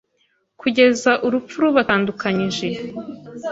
kugeza urupfu rubatandukanyije